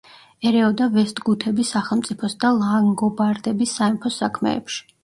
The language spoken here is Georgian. ერეოდა ვესტგუთების სახელმწიფოს და ლანგობარდების სამეფოს საქმეებში.